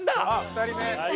２人目だ。